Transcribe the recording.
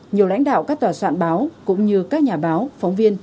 nhiều lãnh đạo các tòa soạn báo cũng như các nhà báo phóng viên